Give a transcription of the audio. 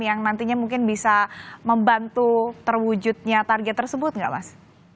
yang nantinya mungkin bisa membantu terwujudnya target tersebut nggak mas